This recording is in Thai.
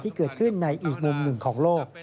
ที่เกิดขึ้นในอีกมุมหนึ่งของโลก